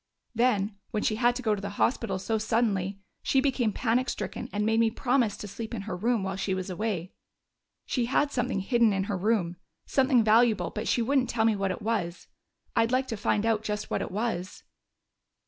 "Then, when she had to go to the hospital so suddenly, she became panic stricken and made me promise to sleep in her room while she was away. She had something hidden in her room, something valuable, but she wouldn't tell me what it was. I'd like to find out just what it was."